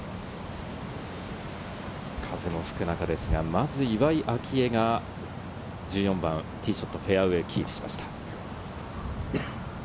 風の吹く中ですが、まず岩井明愛が１４番、ティーショット、フェアウエーをキープしました。